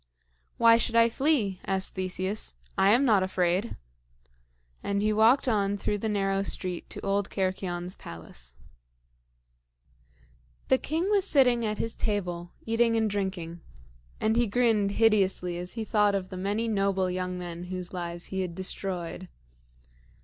"Why should I flee?" asked Theseus. "I am not afraid;" and he walked on through the narrow street to old Cercyon's palace. The king was sitting at his table, eating and drinking; and he grinned hideously as he thought of the many noble young men whose lives he had destroyed.